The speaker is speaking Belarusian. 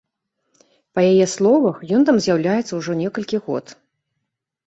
Па яе словах, ён там з'яўляецца ўжо некалькі год.